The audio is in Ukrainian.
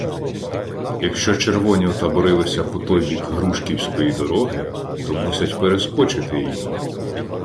— Якщо червоні отаборилися по той бік грушківської дороги, то мусять перескочити її.